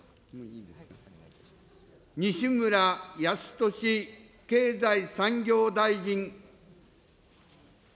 西村康稔経済産業大臣。